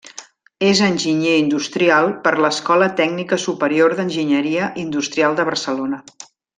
És enginyer industrial per l'Escola Tècnica Superior d'Enginyeria Industrial de Barcelona.